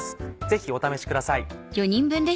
ぜひお試しください。